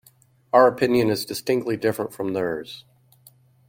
Our opinion is distinctly different from theirs.